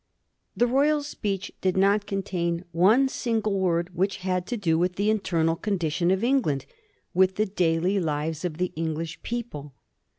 The Royal speech did not contain one sin gle word which had to do with the internal condition of England, with the daily lives of the English people.